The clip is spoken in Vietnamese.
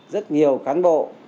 rất nhiều cán bộ